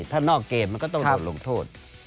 ถ้านอกเกมมันก็ต้องโดนลงโทษ